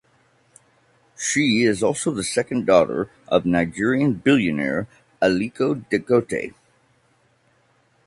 She is also the second daughter of Nigerian billionaire Aliko Dangote.